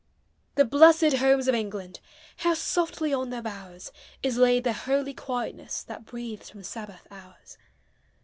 The blessed Homes of England! How softly on their bowers Is laid the holy quietness That breathes from Sabbath hours!